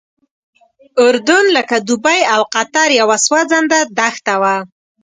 اردن لکه دوبۍ او قطر یوه سوځنده دښته وه.